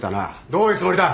どういうつもりだ！？